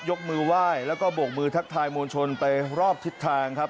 ยกมือไหว้แล้วก็โบกมือทักทายมวลชนไปรอบทิศทางครับ